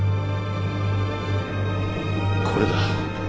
これだ。